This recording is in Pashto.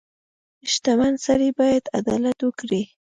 • شتمن سړی باید عدالت وکړي.